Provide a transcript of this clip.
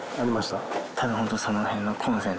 たぶんホントその辺のコンセントが。